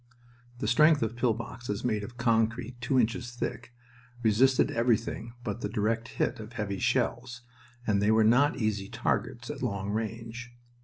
The strength of the pill boxes made of concrete two inches thick resisted everything but the direct hit of heavy shells, and they were not easy targets at long range.